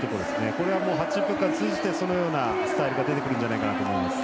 これは、８０分間通じてそのようなスタイルが出てくると思います。